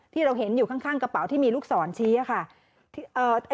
ที่เราเห็นอยู่ข้างกระเป๋าที่มีลูกศรชี้ค่ะ